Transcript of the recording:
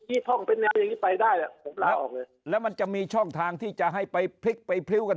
ท่องเป็นแนวอย่างนี้ไปได้อ่ะผมล้าออกเลยแล้วมันจะมีช่องทางที่จะให้ไปพลิกไปพริ้วกัน